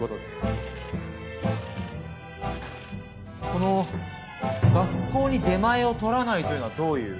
この「学校に出前をとらない」というのはどういう？